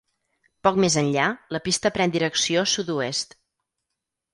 Poc més enllà la pista pren direcció sud-oest.